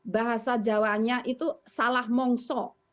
bahasa jawanya itu salah mongso